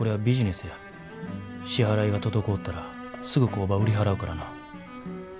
支払いが滞ったらすぐ工場売り払うからな。